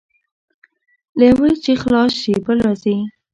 له یوه چې خلاص شې، بل راځي.